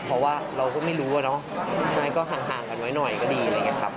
เพราะว่าเราก็ไม่รู้อะเนาะใช่ก็ห่างกันไว้หน่อยก็ดีอะไรอย่างนี้ครับ